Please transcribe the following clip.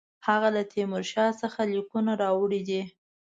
هغه له تیمورشاه څخه لیکونه راوړي دي.